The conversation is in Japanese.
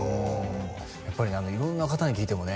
やっぱり色んな方に聞いてもね